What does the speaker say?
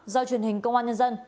do truyền hình công an nhân dân